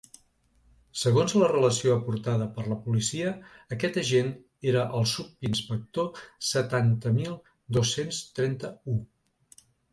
Segons la relació aportada per la policia, aquest agent era el subinspector setanta mil dos-cents trenta-u.